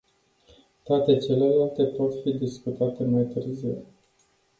Toate celelalte pot fi discutate mai târziu.